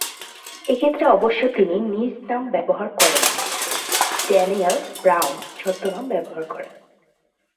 এক্ষেত্রে অবশ্য তিনি নিজ নাম ব্যবহার করেননি; "ড্যানিয়েল ব্রাউন" ছদ্মনাম ব্যবহার করেন।